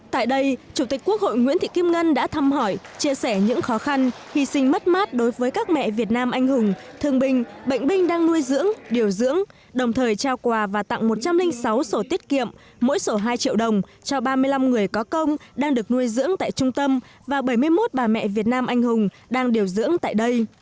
tại đây chủ tịch quốc hội nguyễn thị kim ngân đã thăm hỏi chia sẻ những khó khăn hy sinh mất mát đối với các mẹ việt nam anh hùng thương binh bệnh binh đang nuôi dưỡng điều dưỡng đồng thời trao quà và tặng một trăm linh sáu sổ tiết kiệm mỗi sổ hai triệu đồng cho ba mươi năm người có công đang được nuôi dưỡng tại trung tâm và bảy mươi một bà mẹ việt nam anh hùng đang điều dưỡng tại đây